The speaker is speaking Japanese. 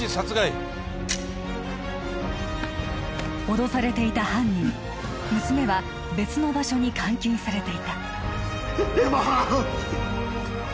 脅されていた犯人娘は別の場所に監禁されていた恵茉！